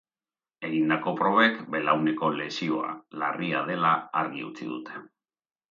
Egindako probek, belauneko lesioa larria dela argi utzi dute.